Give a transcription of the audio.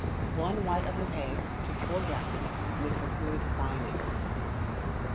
One white of an egg to four gallons makes a good fining. 355.